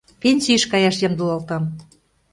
Пенсийыш каяш ямдылалтам.